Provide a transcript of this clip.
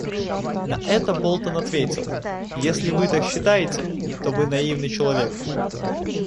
На это Болтон ответил: «Если Вы так считаете, то Вы наивный человек.